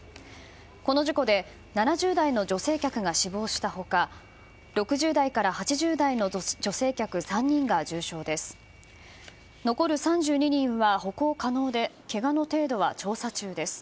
この事故で７０代の女性客が死亡した他６０代から８０代の女性客３人が重傷です。